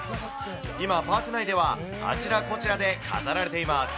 今、パーク内ではあちらこちらで飾られています。